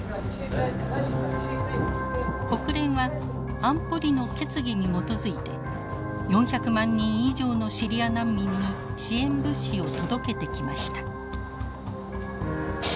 国連は安保理の決議に基づいて４００万人以上のシリア難民に支援物資を届けてきました。